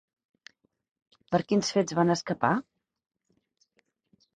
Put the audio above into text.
Per quins fets van escapar?